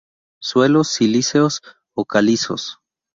Suelos silíceos o calizos.